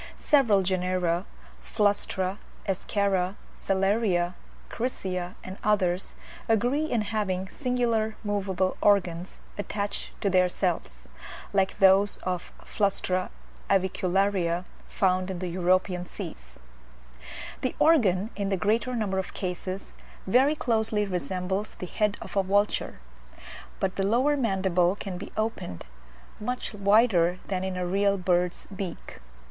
Several genera (Flustra, Eschara, Cellaria, Crisia, and others) agree in having singular moveable organs (like those of Flustra avicularia, found in the European seas) attached to their cells. The organ, in the greater number of cases, very closely resembles the head of a vulture; but the lower mandible can be opened much wider than in a real bird's beak.